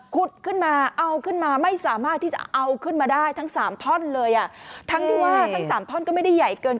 ขุดขึ้นมาเอาขึ้นมาไม่สามารถที่จะเอาขึ้นมาได้ทั้ง๓ท่อนเลย